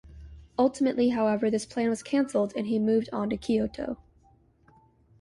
Ultimately, however, this plan was canceled and he moved on to Kyoto.